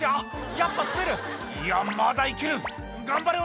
やっぱ滑るいやまだ行ける頑張れ俺」